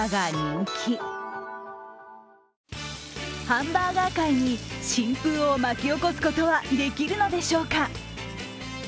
ハンバーガー界に新風を巻き起こすことはできるのでしょうか。